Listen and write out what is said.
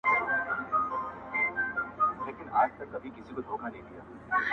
نور مغروره سو لويي ځني کيدله،